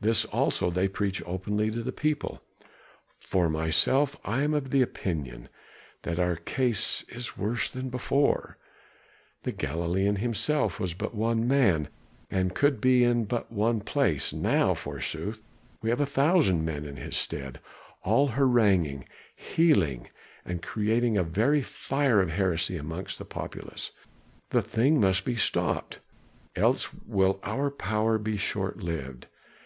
This also they preach openly to the people. For myself I am of the opinion that our case is worse than before; the Galilean himself was but one man, and could be in but one place, now, forsooth, we have a thousand men in his stead, all haranguing, healing and creating a very fire of heresy amongst the populace. The thing must be stopped, else will our power be short lived.